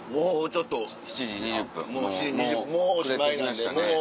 ７時２０分もう暮れてきましたね。